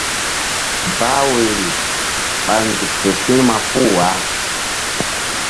Bah woyri ɓa nzuk fe firma puh wah.